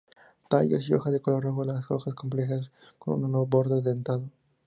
Tallos y hojas de color rojo, las hojas complejas con un borde dentado.